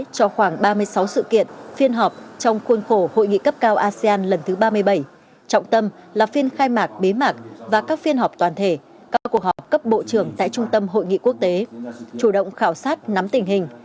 các bộ trưởng tại trung tâm hội nghị quốc tế chủ động khảo sát nắm tình hình